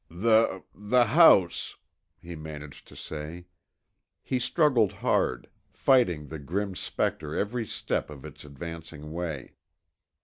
"The ... the house," he managed to say. He struggled hard, fighting the Grim Specter every step of its advancing way.